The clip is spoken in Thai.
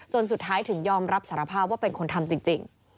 สุดท้ายถึงยอมรับสารภาพว่าเป็นคนทำจริง